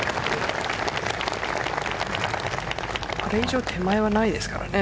これ以上手前はないですからね。